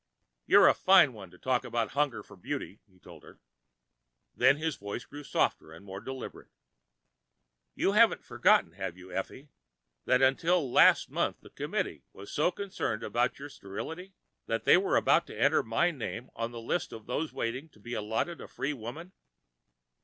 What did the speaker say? "You're a fine one to talk about hunger for beauty," he told her. Then his voice grew softer, more deliberate. "You haven't forgotten, have you, Effie, that until last month the Committee was so concerned about your sterility? That they were about to enter my name on the list of those waiting to be allotted a free woman?